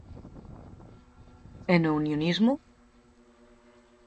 E no unionismo?